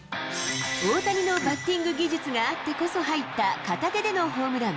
大谷のバッティング技術があってこそ入った、片手でのホームラン。